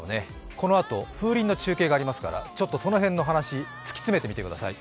このあと、風鈴の中継がありますからちょっとその辺の話を突き詰めてみてください。